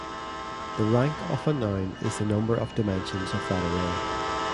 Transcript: The rank of a noun is the number of dimensions of that array.